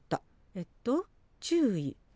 えっと注意！